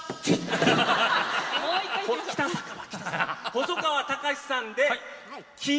細川たかしさんで北。